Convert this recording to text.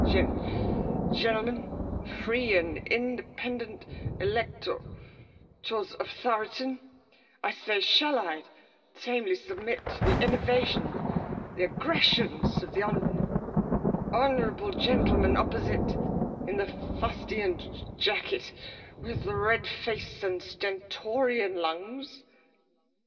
Gen — ^gentlemen, free and independent elect — ^to— tors of Thoroton: I say, shall I t — tamely submit to the innovation, the — ^thie aggressions of the hon — honourable gentle man opposite in the fustian jac~jacket, with the red face and Stentorian lungs